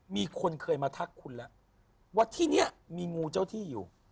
มีคนเคยมาทักคุณแล้วว่าที่นี้มีงูเจ้าที่อยู่